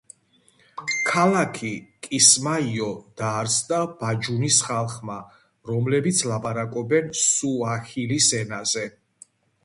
ქალაქი კისმაიო დააარსა ბაჯუნის ხალხმა, რომლებიც ლაპარაკობენ სუაჰილის ენაზე.